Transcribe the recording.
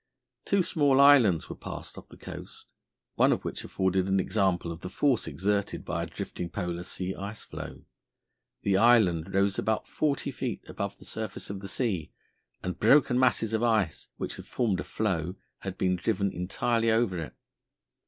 Two small islands were passed off the coast, one of which afforded an example of the force exerted by a drifting Polar Sea ice floe. The island rose about forty feet above the surface of the sea, and broken masses of ice, which had formed a floe, had been driven entirely over it.